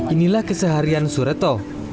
inilah keseharian sureto